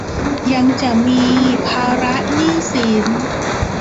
ยังจะมีภาระหนี้สิน